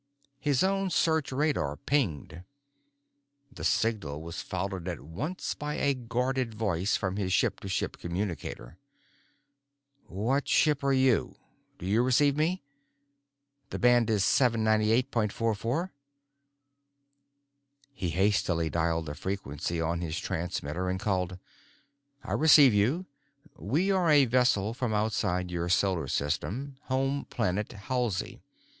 His own search radar pinged. The signal was followed at once by a guarded voice from his ship to ship communicator: "What ship are you? Do you receive me? The band is 798.44." He hastily dialed the frequency on his transmitter and called, "I receive you. We are a vessel from outside your solar system, home planet Halsey.